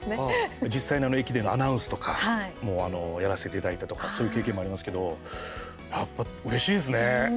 実際の駅でのアナウンスとかもやらせていただいたとかそういう経験もありますけどやっぱうれしいですね。